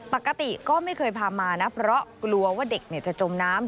ปกติก็ไม่เคยพามานะเพราะกลัวว่าเด็กจะจมน้ำ